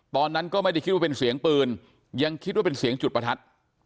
ตอนนั้นก็ไม่ได้คิดว่าเป็นเสียงปืนยังคิดว่าเป็นเสียงจุดประทัด